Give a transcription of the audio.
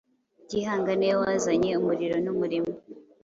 Gihanga niwe wazanye umuriro n’umurimo,